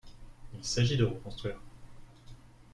Il s’agit de reconstruire.